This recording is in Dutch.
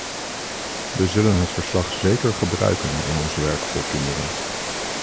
We zullen het verslag zeker gebruiken in ons werk voor kinderen.